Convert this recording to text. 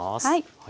はい。